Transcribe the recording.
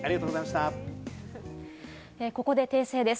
ここで訂正です。